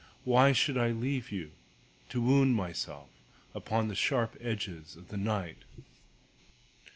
Why should I leave you, To wound myself upon the sharp edges of the night?